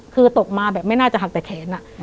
คือตกมาแบบไม่น่าจะหักแต่แขน